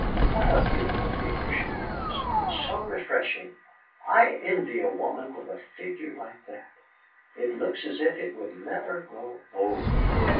What a beautiful figure she has! It's so refreshing. I envy a woman with a figure like that; it looks as if it would never grow old.